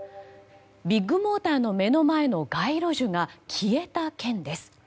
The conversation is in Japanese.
ビッグモーターの目の前の街路樹が消えた件です。